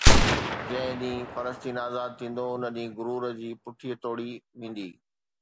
جنهن ڏينهن فلسطين آزاد ٿيندو ان ڏينهن غرور جي پٺي ٽوڙي ويندي